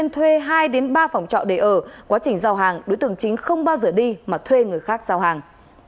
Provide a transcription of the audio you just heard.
thuê hai đến ba phòng trọ để ở quá trình giao hàng đối tượng chính không bao giờ đi mà thuê người khác giao hàng